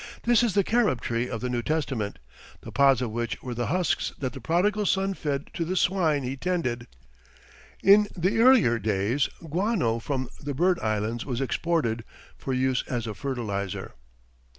This is the carob tree of the New Testament, the pods of which were the husks that the Prodigal Son fed to the swine he tended. In the earlier days, guano from the bird islands was exported, for use as a fertilizer.